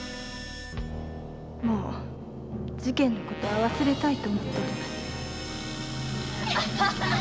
事件の事は忘れたいと思っております